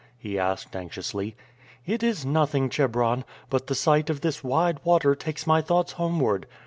he asked anxiously. "It is nothing, Chebron; but the sight of this wide water takes my thoughts homeward.